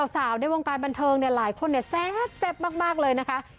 สาวในวงการบันเทิงหลายคนแซ่บมากเลยนะคะ